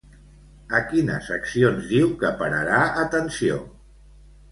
A quines accions diu que pararà atenció?